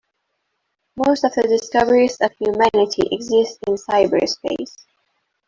Most of the discoveries of humanity exist in cyberspace.